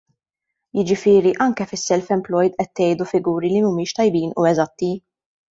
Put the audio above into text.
Jiġifieri anke fis-self employed qed tgħidu figuri li mhumiex tajbin u eżatti.